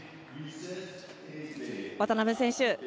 渡辺選手